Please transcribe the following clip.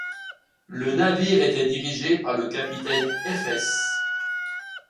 Le navire était dirigé par le capitaine Fs.